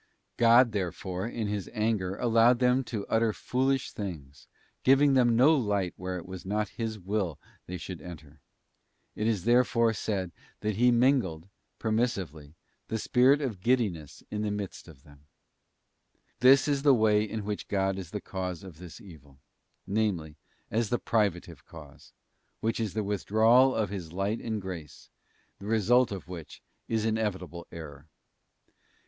God, therefore, in His anger allowed them to utter foolish things, giving them no light where it was not His will they should enter. It is therefore said that He mingled, per missively, the spirit of giddiness in the midst of them. This is the way in which God is the cause of this evil; namely, as the privative cause, which is the withdrawal of His light and grace, the result of which is inevitable error. It * Ts, xix, 14, CHAP. 154 THE ASCENT OF MOUNT CARMEL.